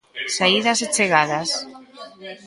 Saídas e chegadas.